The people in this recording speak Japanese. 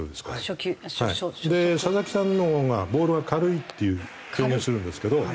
初球初速。で佐々木さんのほうが「ボールが軽い」っていう表現をするんですけど。